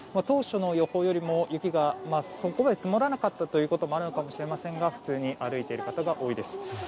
当初の予報よりも雪がそこまで積もらなかったということもあるかもしれませんが普通に歩いている方が多いです。